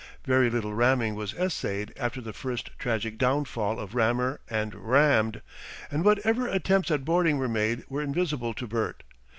Very little ramming was essayed after the first tragic downfall of rammer and rammed, and what ever attempts at boarding were made were invisible to Bert.